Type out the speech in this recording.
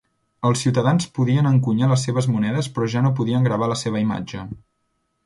Els ciutadans podien encunyar les seves monedes però ja no podien gravar la seva imatge.